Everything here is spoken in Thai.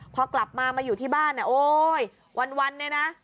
พอกลับมามาอยู่ที่บ้านโอ๊ยวันนี่นะ